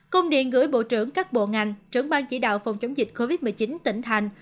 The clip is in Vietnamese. công điện gửi bộ trưởng các bộ ngành trưởng bang chỉ đạo phòng chống dịch covid một mươi chín tỉnh thành